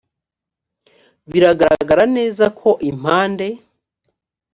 bigaragara neza ko impande